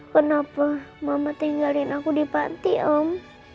kenapa mama tinggalin aku di panti om